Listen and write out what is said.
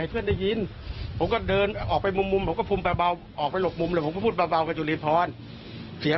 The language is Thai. พอให้น้องมันก็ไปอะไรน่ะโกยักทริยาดอยู่กับเนี้ย